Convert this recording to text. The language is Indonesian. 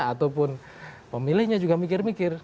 ataupun pemilihnya juga mikir mikir